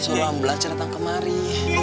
sulam belajar datang kemari